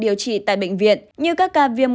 điều trị tại bệnh viện như các ca viêm